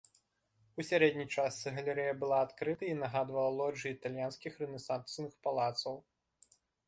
У сярэдняй частцы галерэя была адкрытай і нагадвала лоджыі італьянскіх рэнесансных палацаў.